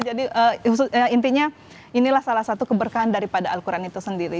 jadi intinya inilah salah satu keberkahan daripada al quran itu sendiri